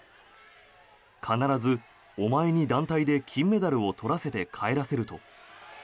必ずお前に団体で金メダルを取らせて帰らせると。